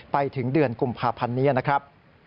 ไปถึงเดือนกุมภาพันธ์นี้นะครับ